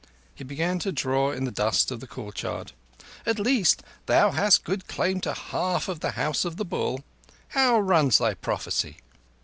He began to draw in the dust of the courtyard. "At least thou hast good claim to a half of the House of the Bull. How runs thy prophecy?"